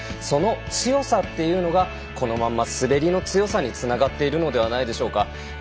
その強さというのがこのまま滑りの強さにつながっているのではないでしょうか。